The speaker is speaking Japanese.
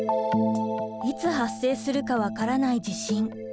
いつ発生するか分からない地震。